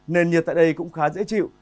nền nhiệt tại đây cũng khá dễ chịu